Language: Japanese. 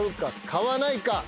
買わないか？